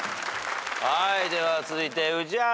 では続いて宇治原。